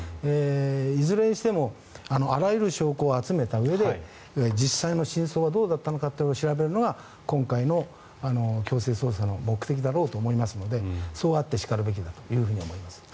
いずれにしてもあらゆる証拠を集めたうえで実際の真相はどうだったのかを調べるのが今回の強制捜査の目的だろうと思いますのでそうあってしかるべきだと思います。